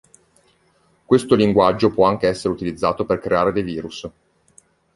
Questo linguaggio può anche essere utilizzato per creare dei virus.